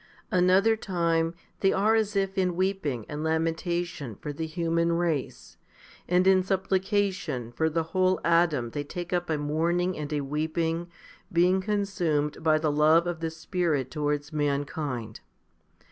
8. Another time they are as if in weeping and lamentation for the human race ; and in sup plication for the whole Adam they take up a mourning and a weeping, being consumed by the love of the Spirit towards mankind.